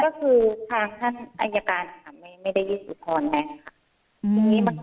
ก็คือทางท่านอัญการไม่ได้ยืนอุทธรณ์แหละค่ะ